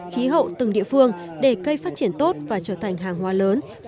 khí hậu từng địa phương để cây phát triển tốt và trở thành hàng hoa lớn